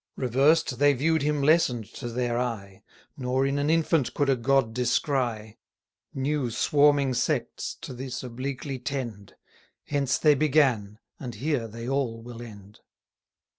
Reversed they view'd him lessen'd to their eye, Nor in an infant could a God descry: New swarming sects to this obliquely tend, 60 Hence they began, and here they all will end.